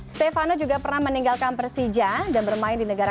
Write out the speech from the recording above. stefano juga pernah meninggalkan persija dan bermain di negara